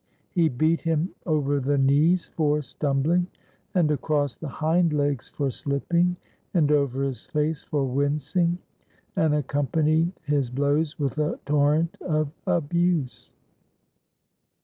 He beat him over the knees for stumbling, and across the hind legs for slipping, and over his face for wincing, and accompanied his blows with a torrent of abuse.